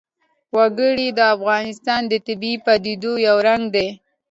وګړي د افغانستان د طبیعي پدیدو یو رنګ دی.